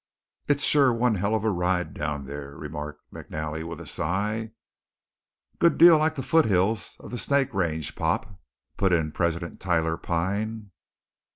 "It's sure one hell of a ride down there," remarked McNally with a sigh. "Good deal like the foothills of th' Snake Range, pop," put in President Tyler Pine.